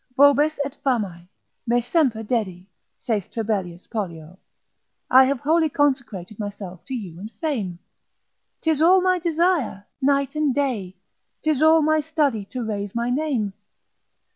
Vobis et famae, me semper dedi, saith Trebellius Pollio, I have wholly consecrated myself to you and fame. 'Tis all my desire, night and day, 'tis all my study to raise my name.